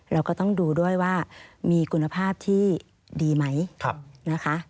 เราก็ต้องดูด้วยว่ามีคุณภาพที่ดีไหมนะคะ